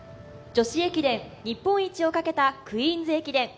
女子駅伝日本一をかけたクイーンズ駅伝。